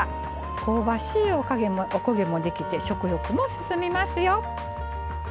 香ばしいおこげもできて食欲も進みますよ。